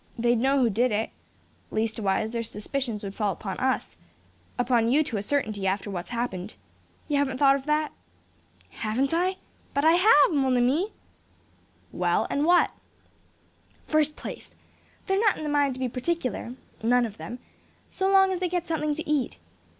They'd know who did it. Leastwise, their suspicions would fall upon us, upon you to a certainty, after what's happened. You haven't thought of that?" "Haven't I? But I have, mon ami!" "Well; and what?" "First place. They're not in the mind to be particular, none of them, so long as they get something to eat.